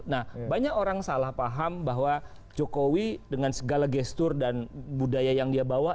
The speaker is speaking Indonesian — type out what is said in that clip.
nah banyak orang salah paham bahwa jokowi dengan segala gestur dan budaya yang dia bawa